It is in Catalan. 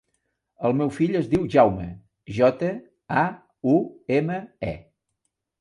El meu fill es diu Jaume: jota, a, u, ema, e.